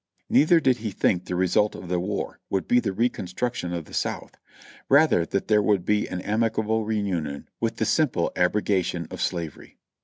Neither did he think the result of the war would be the recon struction of the South ; rather that there would be an amicable reunion with the simple abrogation of slavery.